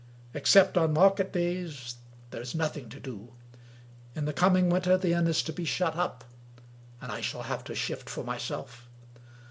Except on market days, there is noth ing to do. In the coming winter the inn is to be shut up, and I shall have to shift for myself.